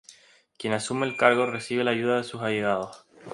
Quien asume el cargo recibe la ayuda de sus allegados.